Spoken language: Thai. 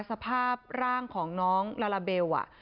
สภาพร่างของน้องลาลาเบล